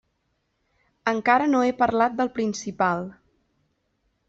Encara no he parlat del principal.